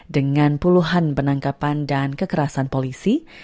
dengan puluhan penangkapan dan kekerasan polisi